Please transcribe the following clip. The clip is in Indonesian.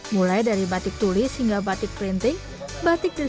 mulai dari batik tulis hingga batik yang terkandung dalam motif batik